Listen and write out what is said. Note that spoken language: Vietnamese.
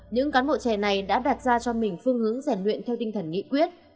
những cán bộ trẻ này đã đặt ra cho mình phương hướng rèn luyện theo tinh thần nghị quyết